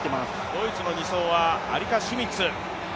ドイツの２走はアリカ・シュミッツ。